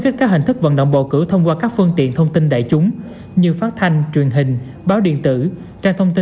theo quy định pháp luật